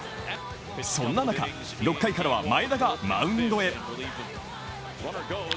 そんな中、６回からは前田がマウンドへ。